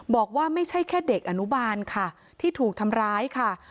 บอกว่าไม่ใช่แค่เด็กอนุบาลค่ะที่ถูกทำร้ายค่ะ